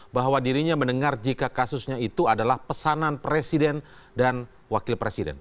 bahwa dirinya mendengar jika kasusnya itu adalah pesanan presiden dan wakil presiden